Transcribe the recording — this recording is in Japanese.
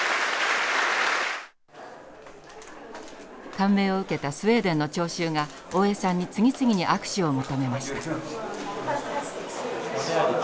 感銘を受けたスウェーデンの聴衆が大江さんに次々に握手を求めました。